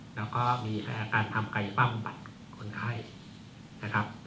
แล้วก็มีอาการทำไกลฝั่งบัตร